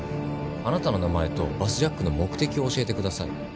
あなたの名前とバスジャックの目的を教えてください。